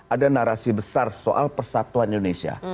ada narasi besar soal persatuan indonesia